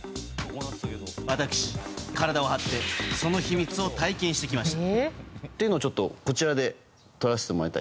私、体を張ってその秘密を体験してきました。